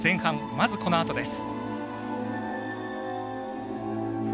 まずこのあとです。